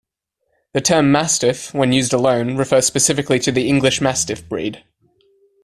The term "Mastiff", when used alone, refers specifically to the "English Mastiff" breed.